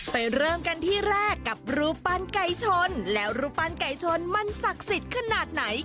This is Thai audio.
เริ่มกันที่แรกกับรูปปั้นไก่ชนแล้วรูปปั้นไก่ชนมันศักดิ์สิทธิ์ขนาดไหน